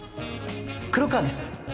黒川です